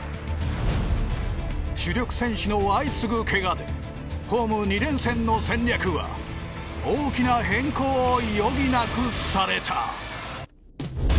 主力選手の相次ぐけがでホーム２連戦の戦略は大きな変更を余儀なくされた。